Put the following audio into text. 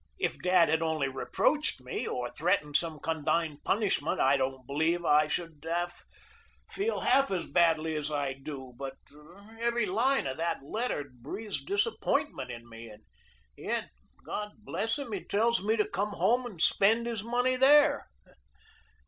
If dad had only reproached me or threatened some condign punishment I don't believe I should feel half as badly as I do. But every line of that letter breathes disappointment in me; and yet, God bless him, he tells me to come home and spend his money there.